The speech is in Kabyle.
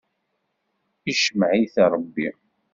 Icemmeɛ-it Ṛebbi.